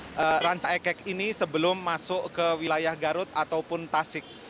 kita akan masuk di jalur rancayakek ini sebelum masuk ke wilayah garut ataupun tasik